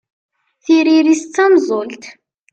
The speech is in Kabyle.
Tiririt-is d tameẓẓult.